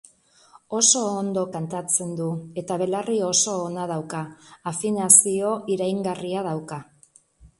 Oso ondo kantatzen du eta belarri oso ona dauka, afinazio iraingarria dauka.